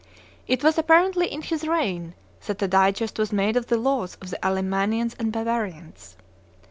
It was, apparently, in his reign that a digest was made of the laws of the Allemannians and Bavarians.